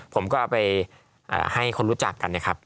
ผมก็เอาไปให้คนรู้จักกันนะครับ